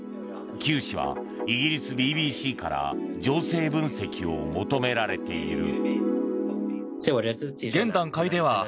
キュウ氏はイギリスＢＢＣから情勢分析を求められている。